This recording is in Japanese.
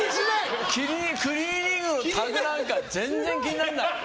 クリーニングのタグなんか全然気にならない。